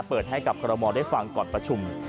เปิดให้กับคอรมอลได้ฟังก่อนประชุม